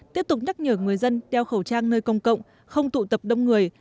tiếp tục nhắc nhở người dân đeo khẩu trang nơi công cộng không tụ tập đông người